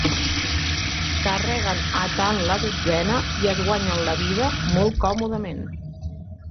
Carreguen a tant la dotzena, i es guanyen la vida molt còmodament.